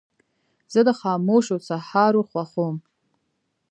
زه د خاموشو سهارو خوښوم.